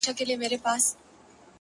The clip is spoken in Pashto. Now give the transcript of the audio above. نظم د وخت ساتونکی دی،